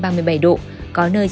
quần đảo hoàng sa